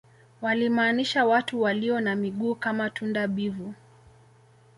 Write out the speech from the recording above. walimaanisha watu walio na miguu kama tunda bivu